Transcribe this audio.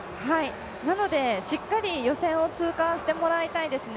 なのでしっかり予選を通過してもらいたいですね。